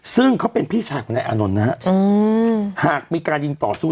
ซึ่งเขาเป็นพี่ชายของนายอานนท์นะฮะหากมีการยิงต่อสู้